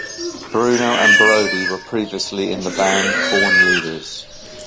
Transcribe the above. Bruno and Brodie were previously in the band Born Leaders.